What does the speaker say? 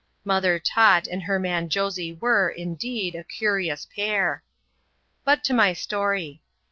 Mother Tot and her man Josj were^ indeed, a curious pair. But to my story.